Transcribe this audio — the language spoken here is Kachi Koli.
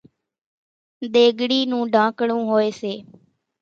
ۮيڳڙِي نون ڍانڪڙون هوئيَ سي۔